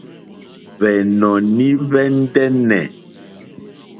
Hwɛ̀nɔ̀ní hwɛ̀ ndɛ́nɛ̀.